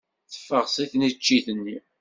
Teffeɣ seg tneččit-nni.